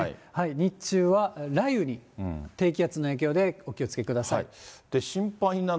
日中は雷雨に、低気圧の影響でお気をつけください。